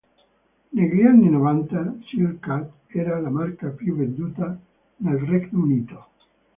Negli anni novanta Silk Cut era la marca più venduta nel Regno Unito.